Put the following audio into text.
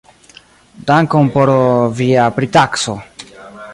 Dankon por via pritakso.